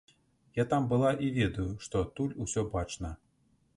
Я там была і ведаю, што адтуль усё бачна.